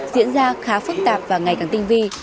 diễn ra khá phức tạp và ngày càng tinh vi